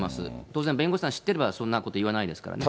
当然、弁護士さん知ってれば、そんなこと言わないですからね。